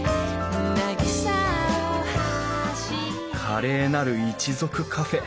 「華麗なる一族カフェ。